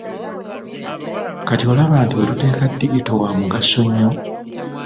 Kati okiraba nti wetuteeka digito wa mugaso nnyo